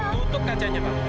tutup kajanya mah